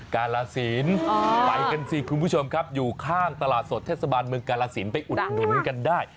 กาลสินไปกันสิคุณผู้ชมครับอยู่ข้างตลาดสดเทศบาลเมืองกาลสินไปอุดหนุนกันได้